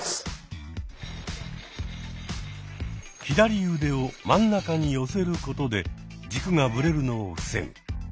左腕を真ん中に寄せることで軸がぶれるのを防ぐ。